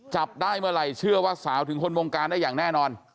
จับได้เมื่อไหร่เชื่อว่าสาวถึงคนวงการได้อย่างแน่นอน